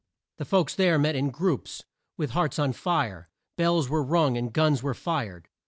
The folks there met in groups, with hearts on fire. Bells were rung and guns were fired.